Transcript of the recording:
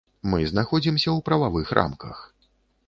Мы знаходзімся ў прававых рамках.